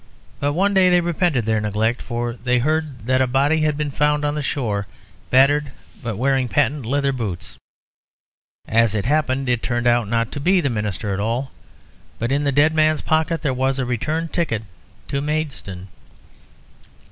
But one day they repented their neglect, for they heard that a body had been found on the shore, battered, but wearing patent leather boots. As it happened, it turned out not to be the minister at all. But in the dead man's pocket there was a return ticket to Maidstone."